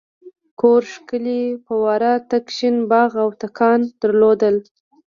کور ښکلې فواره تک شین باغ او تاکان درلودل.